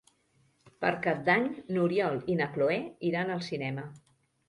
Per Cap d'Any n'Oriol i na Cloè iran al cinema.